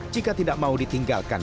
jika tidak mau ditinggalkan